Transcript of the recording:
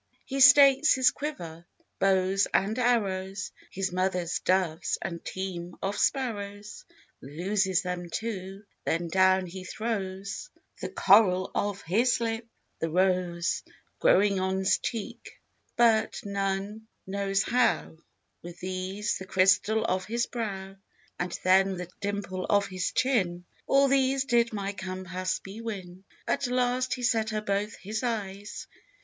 He stakes his quiver, bows and arrows, His mother's doves and team of sparrows; Loses them too; then down he throws The coral of his lip, the rose Growing on 's cheek, but none knows how; With these the crystal of his brow, And then the dimple of his chin All these did my Campaspe win. At last he set her both his eyes.